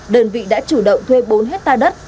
đơn vị đã chủ động thuê bốn hectare đất